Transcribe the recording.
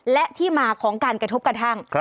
และที่มาของการกระทบกระทั่ง